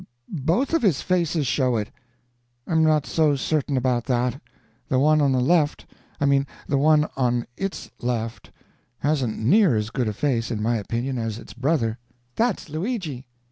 Both of his faces show it." "I'm not so certain about that. The one on the left I mean the one on it's left hasn't near as good a face, in my opinion, as its brother." "That's Luigi."